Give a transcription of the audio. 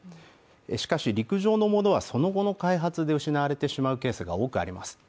しかし陸上のものはその後の開発で失われてしまうケースが多くあります。